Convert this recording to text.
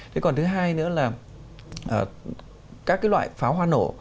thế còn thứ hai nữa là các cái loại pháo hoa nổ